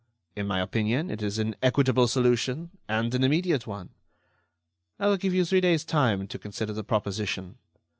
In my opinion, it is an equitable solution, and an immediate one. I will give you three days' time to consider the proposition.